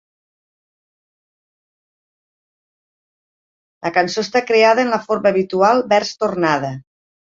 La cançó està creada en la forma habitual vers-tornada.